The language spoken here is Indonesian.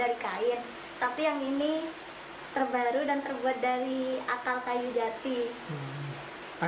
dari kain tapi yang ini terbaru dan terbuat dari akar kayu jati